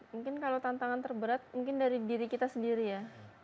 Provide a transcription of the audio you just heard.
mungkin kalau tantangan terberat mungkin dari diri kita sendiri ya